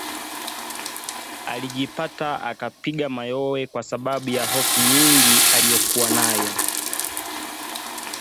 Alijipata akipiga mayowe kwa sababu ya hofu nyingi aliyokuwa nayo